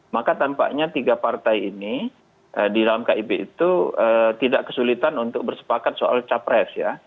maka tampaknya tiga partai ini di dalam kib itu tidak kesulitan untuk bersepakat soal capres ya